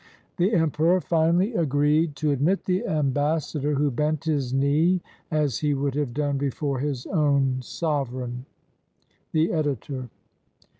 The emperor finally agreed to admit the ambassador, who bent his knee, as he would have done before his own sovereign. The Editor.